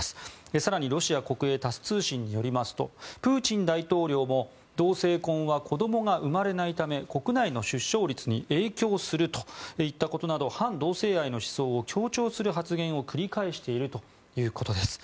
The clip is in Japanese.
更に、ロシア国営タス通信によりますとプーチン大統領も同性婚は子供が生まれないため国内の出生率に影響するなど反同性愛の姿勢を強調する発言を繰り返しているということです。